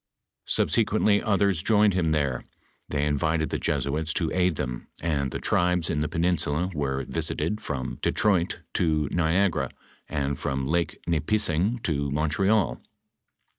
Subsequently others joined him there ; they invited the Jesuits to aid them, and the tribes in the peninsula were visited from Detroit to Niagara, and from Lake Nipissing to Montreal.